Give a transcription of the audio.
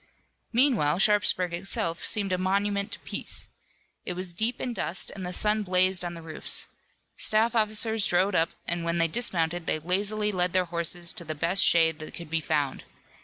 Meanwhile Sharpsburg itself seemed a monument to peace. It was deep in dust and the sun blazed on the roofs. Staff officers rode up, and when they dismounted they lazily led their horses to the best shade that could be found.